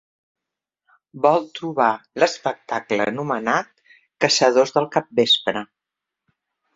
Vol trobar l'espectacle anomenat Caçadors del Capvespre.